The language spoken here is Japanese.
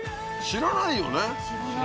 知らないですね。